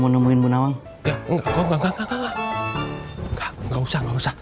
bidadari saya datang